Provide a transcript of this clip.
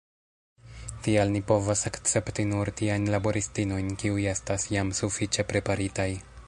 Tial ni povas akcepti nur tiajn laboristinojn, kiuj estas jam sufiĉe preparitaj.